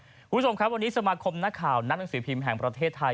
คุณผู้ชมครับวันนี้สมาคมนักข่าวนักหนังสือพิมพ์แห่งประเทศไทย